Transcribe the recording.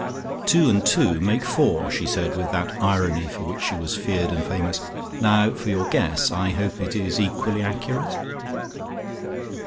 "Two and two make four," she said with that irony for which she was feared and famous. "Now for your guess. I hope it is equally accurate."